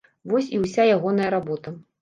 Вось і ўся ягоная работа.